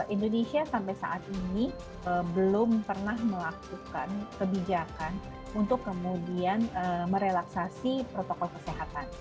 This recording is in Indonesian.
indonesia sampai saat ini belum pernah melakukan kebijakan untuk kemudian merelaksasi protokol kesehatan